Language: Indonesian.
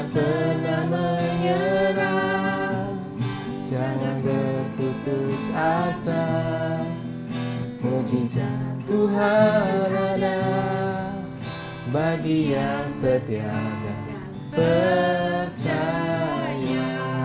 tuhan yang berkata bagi yang setia dan percaya